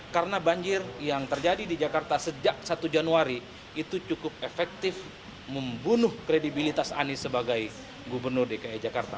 karena banjir yang terjadi di jakarta sejak satu januari itu cukup efektif membunuh kredibilitas anies sebagai gubernur dki jakarta